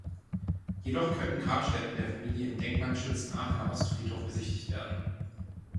Jedoch können Grabstätten der Familie im denkmalgeschützten Aachener Ostfriedhof besichtigt werden.